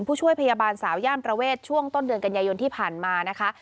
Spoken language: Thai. ผู้ช่วยพยาบาลสาวย่านประเวทช่วงต้นเดือนกันยายนที่ผ่านมานะคะ